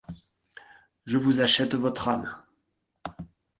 Je vous achète votre âme.